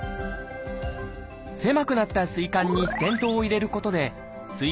狭くなったすい管にステントを入れることです